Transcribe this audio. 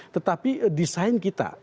tetapi desain kita